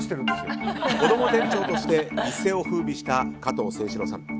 こども店長として一世を風靡した加藤清史郎さん。